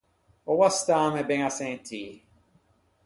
Oua stâme ben à sentî.